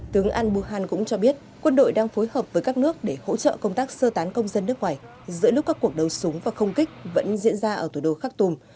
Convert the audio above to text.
tướng al buhan cũng cho biết quân đội đang phối hợp với các nước để hỗ trợ công tác sơ tán công dân nước ngoài giữa lúc các cuộc đấu súng và không kích vẫn diễn ra ở thủ đô khak tum